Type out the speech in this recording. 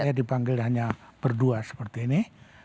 saya dipanggil hanya berdua seperti ini